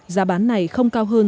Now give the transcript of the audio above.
giá bán này không cao hơn